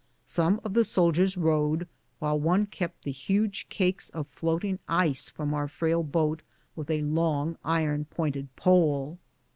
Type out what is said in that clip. Some of the soldiers rowed, while one kept the huge cakes of floating ice from our frail boat with a long, iron pointed pole.